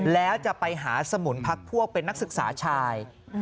แล้วจะไปหาสมุนพักพวกเป็นนักศึกษาชาย